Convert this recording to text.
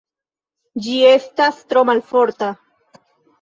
Ĝi estas tro malforta.